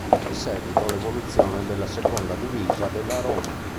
Di seguito l'evoluzione della seconda divisa della Roma.